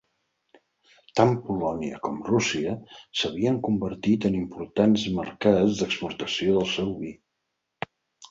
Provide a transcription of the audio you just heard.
Tant Polònia com Rússia s'havien convertit en importants mercats d'exportació del seu vi.